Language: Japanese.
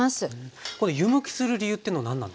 これ湯むきする理由というのは何なんですか？